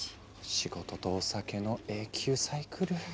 仕事とお酒の永久サイクル。